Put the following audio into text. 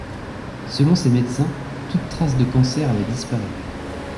Selon ses médecins, toute trace de cancer avait disparu.